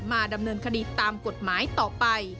มาดำเนินคดีตามกฎหมายต่อไป